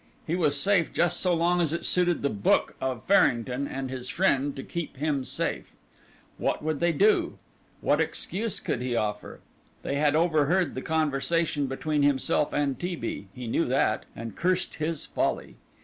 He was safe just so long as it suited the book of Farrington and his friend to keep him safe. What would they do? What excuse could he offer? They had overheard the conversation between himself and T. B., he knew that, and cursed his folly.